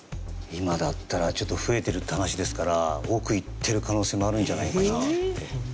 今だったらちょっと増えてるって話ですから億いってる可能性もあるんじゃないかなって。